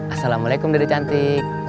assalamualaikum dede cantik